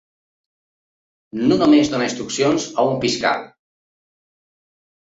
No només donar instruccions a un fiscal.